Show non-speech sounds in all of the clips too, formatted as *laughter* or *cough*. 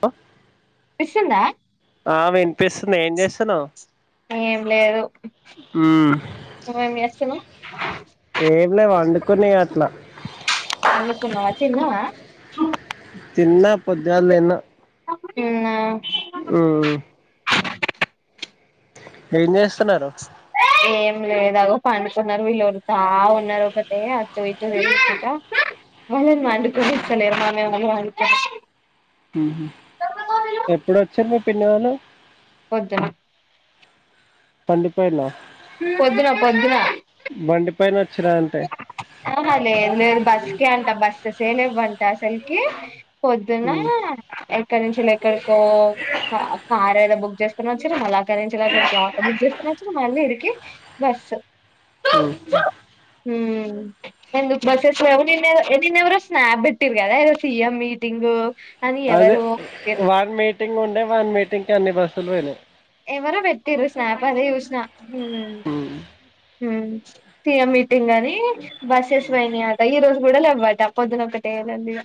అ. Fish ఉందా. ఏం చేస్తున్నావు ఏం లేదు. ఉమ్ నువ్వేం చేస్తున్నావ్. ఏం లే వండుకున్న ఇగ అట్లా. పండుకున్నవా తిన్నవా. తిన్న పొద్దుగాల తిన్న. తిన్న. ఉమ్. ఏం చేస్తున్నారు? ఏం లేదా అగో పండుకున్నారు వీళ్ళు ఒర్రుతా ఉన్నారు ఒకటే అర. వల్లను వండుకొని ఇస్తలేరు వాళ్లేమో వండుతారు. ఉహు ఎప్పుడొచ్చిరు మీ పిన్ని వాళ్ళు. పొద్దున. కంది పోయిలా. పొద్దున పొద్దున. బండి పైన వచ్చిర్రా అంటే. ఆహా లేదు లేదు బస్కే అంట బస్సుసే లేవంట అసలుకి. పొద్దున ఉమ్ ఎక్కడి నుంచల్లి ఎక్కడికో. కా కారు ఏదో బుక్ చేసుకొని వచ్చిర్రు మల్ల అక్కడి నుంచి అక్కడికి ఆటో బుక్ చేసుకుని వచ్చిరు మళ్ళీ ఇడికి. బస్సు. ఉమ్. హ్మ్. ఎందుకు బస్సెస్ లేవు నిన్న నిన్నెవరు స్నాప్ బెట్టిర్రు కదా ఏదో సిఎం మీటింగ్. అని అదే ఎవరో పెట్టిరు వని మీటింగ్ ఉండే వని మీటింగ్ కి అన్ని బస్సులు పోయినాయి. ఎవరో పెట్టింరు స్నాప్ అదే చూసిన. హుమ్ సీఎం మీటింగ్ అని బస్సెస్ పోయినయా. ఈరోజు కూడా లేవట పొద్దున ఒకటే లొల్లి ఇగా.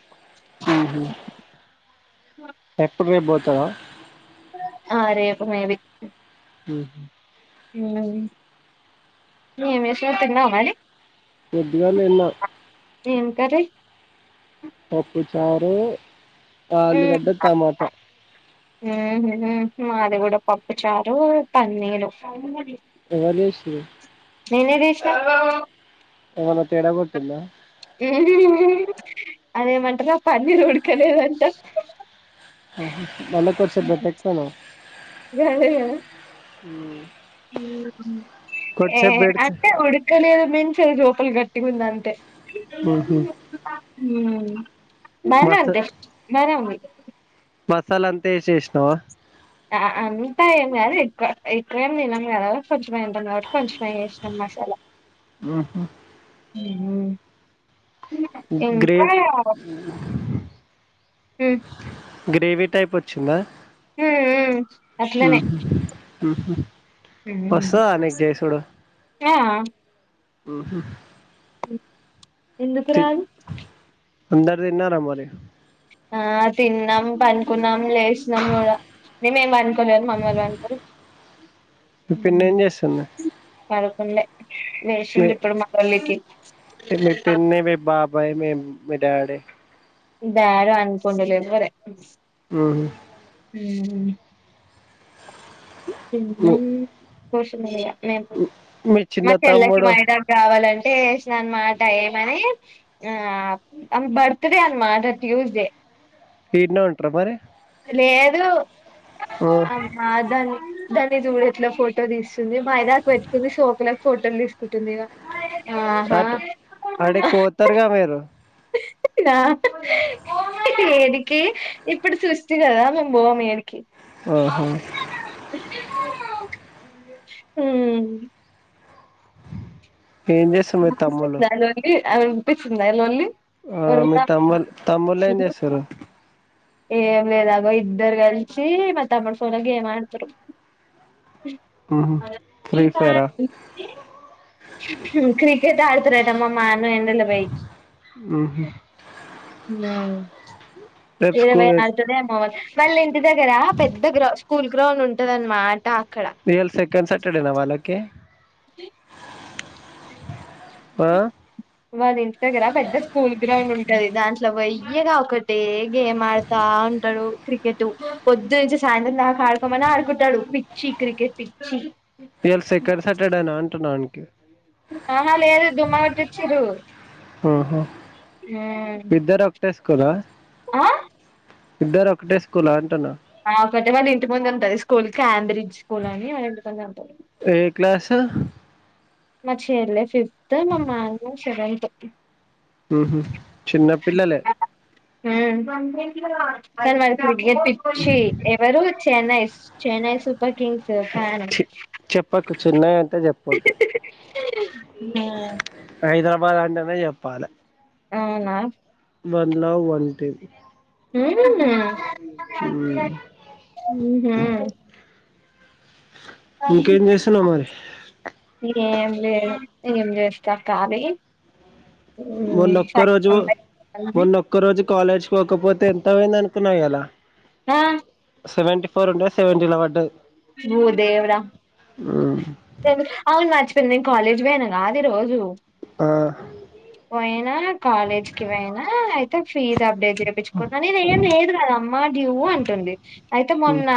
ఆహా పట్టు బి పోతావా *unintelligible* ఆ రేపు మేబి ఉం *unintelligible* నమిేషమ తిన్నావా మరి పొద్దుగాల తిన్న ఏం కర్రీ పప్పుచారు ఆలుగడ్డ టమాటా ఆహా మాది కూడా పప్పు చారు పన్నీరు ఎవరు చేశిర్రు నేనే చేసినా ఏమయిన తేడ కొట్టిందా అదేమంటారు పన్నీర్ ఉడకలేదంటా *unintelligible* నలకు వర్స బెట్టక్నా గదే గదా ఏ అట్టే ఉడు లేదు *unintelligible* మించది చూపల గట్టిగా ఉంది అంతే హు హమ్ ఉం బానే వుంటే బానే వుంది మసాల అంతా వేసేసినవా అంతా ఏం కాదు ఎక్కువ ఎక్కువేం తినం కదా కొంచెంమ తింటాం కాబట్టి కొంచెమే వేసినాం మసాలా ఆహ *unintelligible* హు హమ్ గ్రేవీ ఇంకా ఉం గ్రేవీ టైప్ వచ్చిందా మ్మ్ ఆ అట్లనే *unintelligible* వస్తదా నీకు చేసుడు ఆ హు హమ్ ఎందుకు రాదు అందర తిన్నార మరి ఆ తిన్నాం పండుకున్నాం లేచినం కూడా మే ఏం అనుకోలేదు మమ్మల్ళు *unintelligible* అనుకోలే మీ పిన్ని ఏం చేస్తుంది పడకుండే మీ వేసింది ఇప్పుడు *unintelligible* మరలికి మీ పిన్ని మీ బాభ్ భాయ మే మీ డాడే డాడీ పండుకుంటా లేడు మరి హు హమ్ హు హమ్ మీ- కోష మే మీ చిన్న మ ఎలాకి తమ్ముడు మయడ *unintelligible* కావాలంటే వేసిన అన్నమాట ఏమని ఆ ఆమె బర్త్డే అన్నమాట ట్యూస్డే ఇడినే ఉంటరా మరి లేదు ఆ దాన్ని దాన్ని చూడేట్లా ఫోటో తీస్తుంది మా ఇ *unintelligible* దకు పెట్టుకుంది ోపల ఫోటోలు తీసుకుంటుంది ఇగ ఆహా అటు ఆడెక్కువ వోతారు గా మీరు అ ఆ ఏడికి ఇప్పుడు సుస్థి గదా మేం బొమ్ ఏడికి ఆహా. ఊ ఏం చేస్తారు మీ తమ్ముళ్ళు *inaudible* అ వినిపిస్తుందా *inaudible* ఆ మీ ఒర్రుతా తమ్ముల్ తమ్ముళ్లు ఏం ఉంటారు. జేస్తారు ఏం లేదగో ఇద్దరు కలిసి మా తమ్ముడి ఫోన్లో గేమ్ ఆడుతురు మ్మ్. ఫ్రీ ఫైరా *unintelligible* హుమ్ క్రికెట్ ఆడుతురట మా *unintelligible* ఎండలో పొయ్ మ్మ్. రేపు స్కూల్ *unintelligible* వాళ్ళ ఇంటి దగ్గర పెద్ద గ్రౌ స్కూల్ గ్రౌండ్ ఉంటదానమాట అక్కడ ఇయాల సెకండ్ సటర్డే నా వాళ్ళకి ది ఆ వాళ్ళ ఇంటి దగర పెద్ద స్కూల్ గ్రౌండ్ ఉంటది దాంట్లోకి పొయ్యి ఇగ ఒకట్ టే గేమ్ ఆడతా ఉంటడు క్రికెటు పొద్దు నుంచి సాయంత్రం దాకా ఆడుకోమన ఆడుకుంటాడు పిచ్చి క్రికెట్ పిచ్చి ఇయాల సెకండ్ సటర్డేనా అంటున్నా ఆనికి ఆహా లేదు డుమ్మ కొట్టొచ్చిరు టెస్కొద ఆ ఇద్దరు ఒకటే స్కూల్ ఆ అంటున్నా ఆ కొట్టే వాళ్ళు ఇంటి ముందు ఉంటంది స్కూల్ కి ఆండ్రిడ్జ్ స్కూల్ అని వాళ్ళ ఇంటి కళ్ళే ఉంటది ఏ క్లాసు మా చెల్లె ఫిఫ్త్ మా మాంగో సెవెంత్ ఊహు చిన్నపిల్లలే ఊమ్ కాని వాడికి క్రికెట్ పిచ్చి ఎవరు చెన్నైస్ చెన్నై సూపర్ కింగ్స్ ఫ్యాన్ పకు చెన్నై అంటే చెప్ ఆ హైదరాబాద్ అంటేనే జెప్పాలె అవునా వన్ లవ్ వన్ టీమ్ ఊమ్ మ్మ్. ఊహు ఇంకేం చేస్తున్నావు మరి ఏం లేదు ఏం జేస్తా కాలీ మొన్నొక్క రోజు బయటికి వెళ్దామని. మొన్నో ఒక్క రోజు కాలేజ్ కోకపోతే ఎంత పోయింది అనుకున్నావ్ ఇయాలా ఆ సెవెంటీ ఫోర్ ఉండేది సెవెంటీ లో పడ్డది భూ దేవుడా మ్మ్ అవును మర్చిపోయిన నేను కాలేజ్ కి పోయిన కాదు ఈ రోజు ఆ పోయినా కాలేజ్కి పోయినా అయితే ఫీజ్ అప్డేట్ చేయించుకున్నా నేను ఏం లేదు కదా అమ్మ డ్యూ అంటుంది అయితే మ్మ్ మొన్న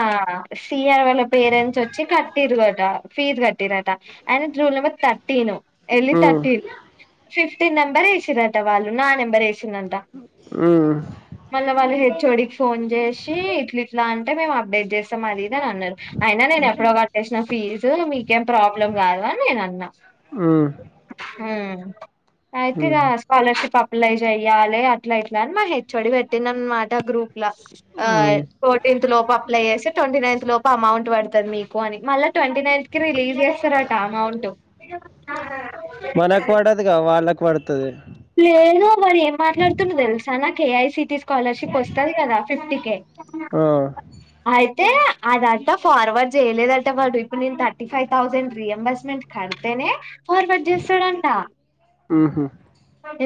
శియర్ వల పేరెంట్స్ వచ్చి కట్టిరట ఫీజ్ కట్టిరట ఐనది రూల్ నెంబర్ థర్టీన్ ఎలి మ్మ్ థర్టీన్ ఫిఫ్టీన్ నెంబర్ ఏసిరట వాళ్ళు నా నెంబర్ ఏసిర్ అంట ఆ మళ్ళీ వాళ్ళు హెఒడికి ఫోన్ చేసి ఇట్లా ఇట్లా అంటే మేము అప్డేట్ చేస్తాం అది ఇది అని అన్నారు అయినా నేను ఎప్పుడోగా చేసినను ఫీజు మీకేం ప్రాబ్లం కాదు అని నేను అన్నా మ్మ్ అయితే ఇగ మ్మ్ స్కాలర్షిప్ అప్లై చెయ్యాలి అట్లా ఇట్లా అని మా హెఒడి పెట్టింది అనమాట గ్రూప్ లస్ ఆ మ్మ్ ఫోర్టీన్త్ లోపు అప్లై చేసి ట్వంటీ నైన్త్ లోపు అమౌంట్ పడుతది మీకు అని మళ్ళా ట్వంటీ నైన్త్ కి రిలీజ్ చేస్తారట అమౌంట్ అద మనకు పడదుగా వాళ్ళకు పడుతది లేదు మరి ఏం మాట్లాడుతుంది తెలుసా నా కేఐసిటిస్ స్కాలర్షిప్ వస్తది కదా ఫిఫ్త్ కె ఆ అయితే అద క ఫార్వర్డ్ చేయలేదంట వాడు ఇప్పుడు నేను థర్టీ ఫైవ్ థౌజండ్ రియంంబర్స్మెంట్ కడితేనే ఫార్వర్డ్ చేస్తాడంట మ్మ్ హు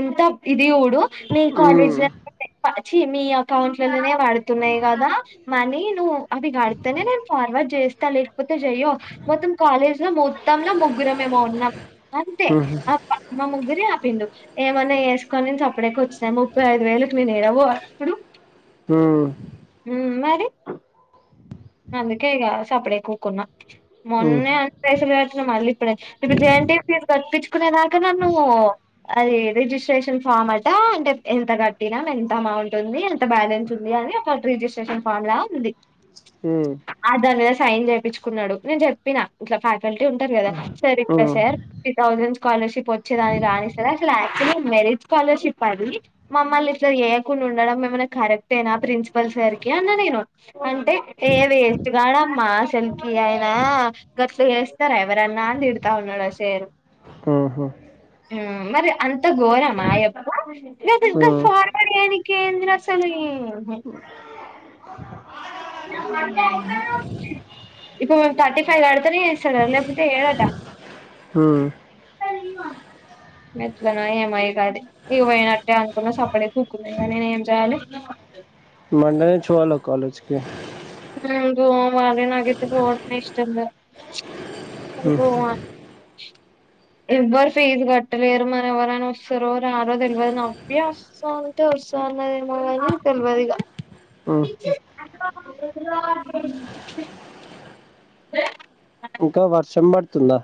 ఎంత ఇది ఊడు మీ మ్మ్ కాలజ్ ల చి మీ అకౌంట్లలోనే వడుతున్నాయి కదా మనీ నువ్ అవి కడితేనే నేను ఫార్వర్డ్ చేస్తా లే కపోతే చెయ్యో మొత్తం కాలేజ్ లో మొత్తంల ముగ్గురమెమో ఉన్నాం అంతే మ్మ్ హు అమ్మా ముగ్గురి ఆపిండు ఏమన్నా ఏసుకొనిని సప్పుడేక వచ్చ ముప్పై ఐదు వేలకు నేను ఏడవో అప్పుడు హా ఊ మరి అందుకే ఇగ సపడేక ఊకున్నా మొన్న మ్మ్ అన్ పేసులు మార్చిన మళ్ళీ ఇప్పుడే ఇటు పెయింటింగ్ ఫీజు కట్ప్పించుకునే దాకా నన్ను అదే రిజిస్ట్రేషన్ ఫామ్ అట అంటే ఎంత కట్టిన ఎంత అమౌంట్ ఉంది త బ్యాలెన్స్ ఉంది అని ఒక రిజిస్ట్రేషన్ ఫామ్ లా ఉంది ఊ అ దాని మీద సైన్ చేపిచుకున్నాడు నేను చెప్పినా ఇట్లా ఫ్యాకల్టీ ఉంటారు కదా సరి ఇట్ల సార్ ఫిఫ్టీ థౌసండ్ స్కాలర్షిప్ వచ్చేదాని రానిస అసలు యాక్చువల్గా మెరిట్ స్కాలర్షిప్ అది మమ్మల్ని ఇట్లా చేేయకుండా ఉండడం ఏమైనా కరెక్టేనా ప్రిన్సిపల్ సారికి అన్నా నేను అంటే ఏ వేస్ట్గాడమా అసల్కి అయినా గట్ల చేస్తార ఎవరన్నా అని తిడతావున్నాడ శేరు ఆహా ఊ మరి అంత ఘోరం యప్పు లేదింకా మ్మ్ ఫారం మరి అయినకి ఏం తెలుసని నా బర్త్డే ఒకరు వచ్చి ఇక మేం తర్టీ ఫైవ్ కడతనే ఏసడట లేపోతే ఎయడట ఆ గది ఇయమను గట్లన ఏమో ఇగ అది ఇగ పోనట్టే అనుకున్నా సప్పడే కూకున్న ఇగ నేను ఏం చేయాలి మండే నుంచి పో అన్న కాలెజ్ కి మ్మ్ *unintelligible* ఎవ్వరు ఫీజు కట్టలేరు మరి ఎవరైన వస్తారో రారో తెలవదు సంతోష్ అన్నదెమో గని తెల్వద్ ఇగ ఉహ *unintelligible* ఇంకా వర్షం పడ్తుందా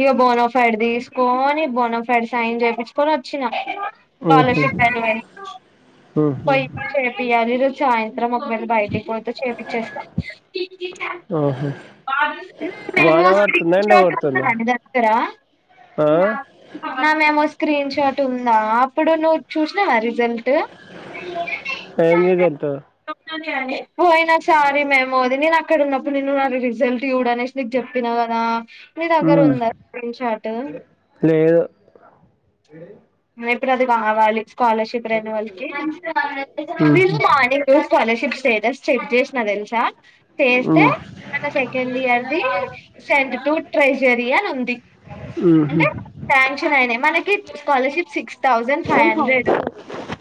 ఇగ బోన్ఫైడ్ తీస్కొని బోన్ఫైడ్ సైన్ చేపించుకొని వచ్చినా మ్మ్ హు స్కాలర్షిప్ రెన్యువల్ మ్మ్ హు పోయి చేపియాలి ఈరోజు సాయంత్రం ఒకవేళ బయటిక్ పోతే చేపించ్చేస్త ఆ మెమోస్ స్క్రీన్ ఎండ షాట్ కొడుతుందా ఉన్నదా ని దగ్గర ఆ నా మెమోస్ స్క్రీన్ షాట్ ఉందా అప్పుడు నువు చూస్నావా రిజల్ట్ అ ఫైమిలీ జంత ఓ అయినా సారీ మ్యామ్ అది నేన అక్కడ ఉన్నప్పుడు నేను నా రిజల్ట్ చూడు అనేసి నీక్ చెప్పినా కదా నీ దగ్గర ఉమ్, ఉందా స్క్రీన్ షార్టు లేదు ఏ ఇప్పుడు అది కావాలి స్కాలర్షిప్ రెన్యువల్ కి ఉమ్, స్కాలర్షిప్ స్టేటస్ చెక్ చేసిన తెలుసా చేస్తే ఉమ్, ఉమ్, మన సెకండ్ ఇయర్ది సెండ్ టూ ట్రెజరీ అని ఉంది అంటే ఉమ్, శాంక్షన్ అయినయ్ మనకి scholarship six thousand five hundred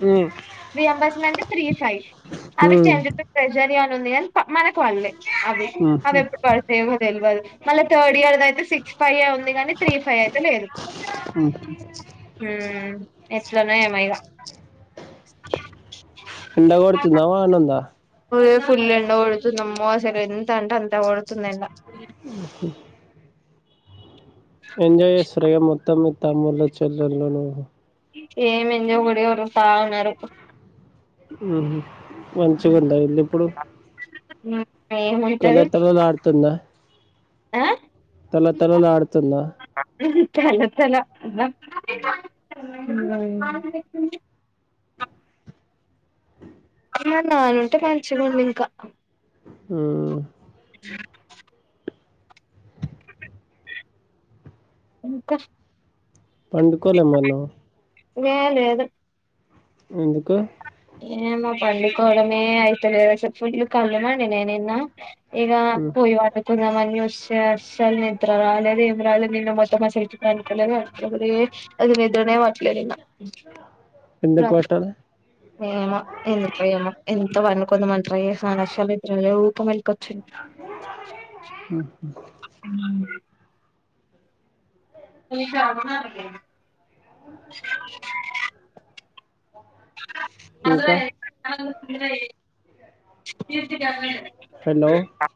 హ్మ్ రియంబర్స్మెంట్ త్రీ ఫైవ్ అవి సెండ్ ఉమ్, ట్రెజరి అని ఉంది గని ప మనకు వళ్లే అవి అవి ఎప్పుడు పడు ఎమో తెల్వదు మళ్ళ థర్డ్ ఇయర్ అయితే సిక్స్ ఫైవ్ ఏ ఉంది గని త్రీ ఫైయేయితే లేదు ఉమ్. హ్మ్ ఎట్లనో ఏమె ఇగ ఎండ కొడుతుందా వానుందా ఓయో ఫుల్ ఎండ గోడుతుందమ్మోసలు ఎంత అంటే అంత కోడుతుంది ఎండ ఉహు ఎంజాయ్ చేస్తుర్రా ఇగ మొత్తం మీ తమ్ముళ్లు చెల్లెల్లు నువు ఏమ్ ఎంజాయ్ ఒకటె ఒర్రుతా ఉన్నరు హ్మ్ హు మంచిగుందా ఇల్లు ఇప్పుడు హ్మ్ ఏముంటది కల తలలు ఆడుతుందా ఆ తల తలాడుతుందా హ్మ్ హు తల తల *inaudible* హ్మ్ హు మా నాన్న ఉంటే మంచిగుండు ఇంకా హ్మ్ ఇంక పండుకోలె మరీ నువ్ ఏ లేదు ఎందుకు ఏమొ పండుకోవడమే అయితలెదసలు ఫుల్లు కల్లుమండినయి నిన్న ఇగ ఉమ్, పోయి పండు కుందమన్ చూస్తే అస్సల్ నిద్ర రాలేదు ఏం రాలేదు నిన్న మొత్తం మా సైడ్ పండుకోలేదు అసలేం అది నిద్రనే పట్టలే ఇంగా ఎందుకు వట్టలే ఏమో ఎందుకొ ఏమో ఎంత పండుకుందమనీ ట్రై చేసిన అని అస్సల్ నిద్రలే ఊకే మెళుకచ్చింది ఉహు ఉ ఇంట్లకు రమ్మనకపోయినవ్ *inaudible* ఇంకా హలో వేన్ ప